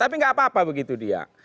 tapi nggak apa apa begitu dia